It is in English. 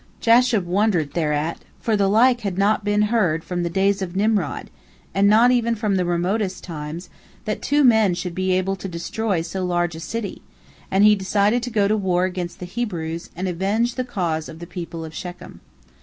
Jashub wondered thereat, for the like had not been heard from the days of Nimrod, and not even from the remotest times, that two men should be able to destroy so large a city, and he decided to go to war against the Hebrews, and avenge the cause of the people of Shechem.